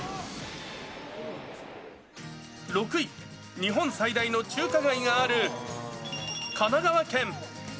６位、日本最大の中華街がある神奈川県。